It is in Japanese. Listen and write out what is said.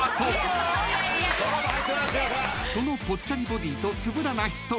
［そのぽっちゃりボディーとつぶらな瞳］